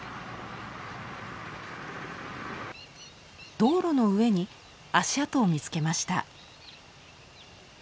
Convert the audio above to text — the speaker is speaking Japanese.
道路の上に足跡を見つけました。